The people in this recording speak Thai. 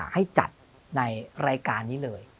ให้จัดในรายการนี้เลย